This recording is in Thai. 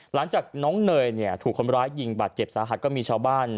หลังจากน้องเนยเนี่ยถูกคนร้ายยิงบาดเจ็บสาหัสก็มีชาวบ้าน